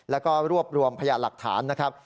แล้วก็รวบรวมพยานหลักฐานนะครับ